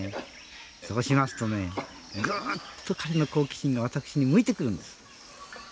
そうしますとねぐっと彼の好奇心が私に向いてくるんです。